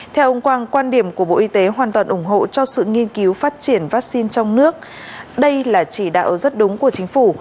theo ông quang quan điểm của bộ y tế hoàn toàn ủng hộ cho sự nghiên cứu phát triển vaccine trong nước đây là chỉ đạo rất đúng của chính phủ